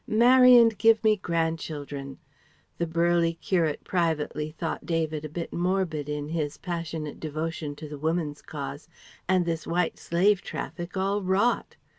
Marry and give me grandchildren." The burly curate privately thought David a bit morbid in his passionate devotion to the Woman's Cause, and this White Slave Traffic all rot.